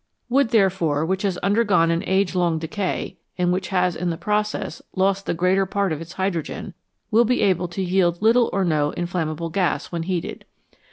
Wood, therefore, which has undergone an age long decay, and which has in the process lost the greater part of its hydrogen, will be able to yield little or no inflammable gas when heated.